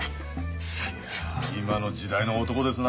いや今の時代の男ですな。